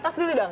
tas dulu dong